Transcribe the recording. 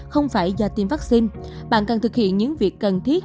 không phải do tiêm vaccine bạn cần thực hiện những việc cần thiết